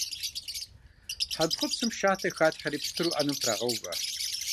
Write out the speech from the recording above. Хьэнтхъупсым шатэ халъхьэри пщтыру Ӏэнэм трагъэувэ.